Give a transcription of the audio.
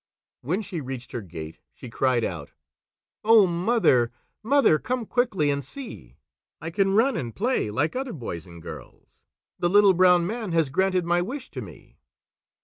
When she reached her gate, she cried out: "Oh, Mother! Mother! Come quickly and see! I can run and play like other boys and girls! The Little Brown Man has granted my wish to me!"